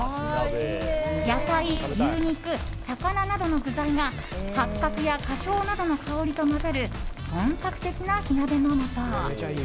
野菜、牛肉、魚などの具材が八角や花椒などの香りと混ざる本格的な火鍋の素。